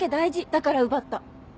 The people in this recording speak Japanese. だから奪った。